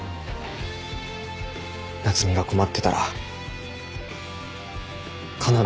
夏海が困ってたら必ず助ける。